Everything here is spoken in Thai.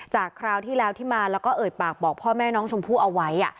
คราวที่แล้วที่มาแล้วก็เอ่ยปากบอกพ่อแม่น้องชมพู่เอาไว้